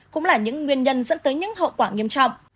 cũng là những nguyên nhân dẫn tới những hậu quả nghiêm trọng